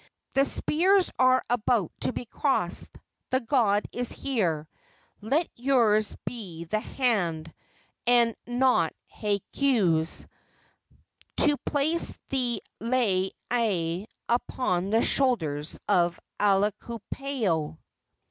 The spears are about to be crossed; the god is here; let yours be the hand, and not Hakau's, to place the lei ai upon the shoulders of Akuapaao!"